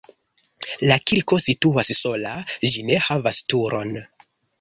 La kirko situas sola, ĝi ne havas turon.